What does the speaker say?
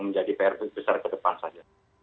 menjadi pr terbesar ke depan saja